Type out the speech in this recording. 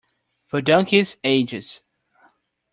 For donkeys' ages.